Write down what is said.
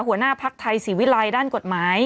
หัวหน้าภักดิ์ไทยศรีวิรัยด้านกฎหมาย